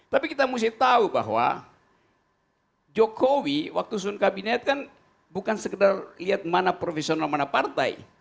tapi kita mesti tahu bahwa jokowi waktu sun kabinet kan bukan sekedar lihat mana profesional mana partai